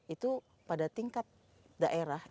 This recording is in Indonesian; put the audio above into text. itu pada tingkat daerah